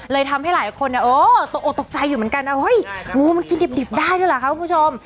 เลยทำให้หลายคนตกใจอยู่เหมือนกันมันกินดิบได้หรือเปล่าค่ะคุณผู้ชม